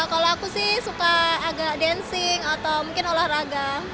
kalau aku sih suka agak dancing atau mungkin olahraga